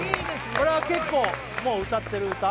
これは結構もう歌ってる歌？